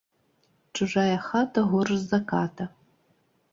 Чужая хата горш за ката